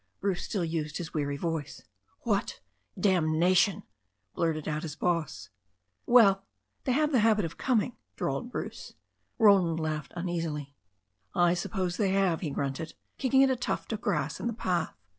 Bruce still used his weary voice. "What ! Damnation !" blurted out the boss. "Well, they have a habit of coming," drawled Bruce. Roland laughed uneasily. "I suppose they have," he grunted, kicking at a tuft of grass in the path.